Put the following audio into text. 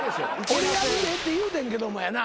俺やるでって言うてんけどもやな。